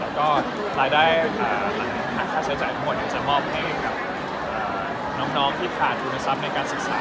แล้วก็รายได้หักค่าใช้จ่ายทั้งหมดจะมอบให้กับน้องที่ผ่านทุนทรัพย์ในการศึกษา